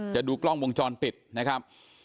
จะดูกล้องวงจรปิดนะครับ